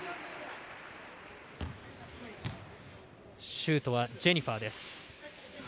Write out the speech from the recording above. シュートはジェニファー。